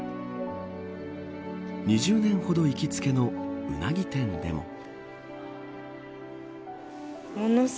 ２０年ほど行きつけのうなぎ店でも。